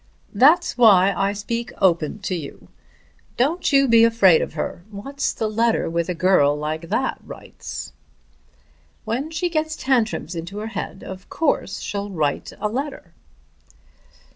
"That's why I speak open to you. Don't you be afraid of her. What's the letter which a girl like that writes? When she gets tantrums into her head of course she'll write a letter."